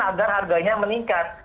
agar harganya meningkat